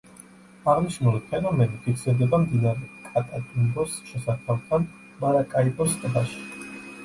აღნიშნული ფენომენი ფიქსირდება მდინარე კატატუმბოს შესართავთან, მარაკაიბოს ტბაში.